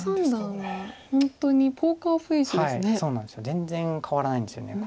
全然変わらないんですよね。